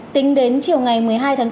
tính đến chiều ngày một mươi hai tháng bốn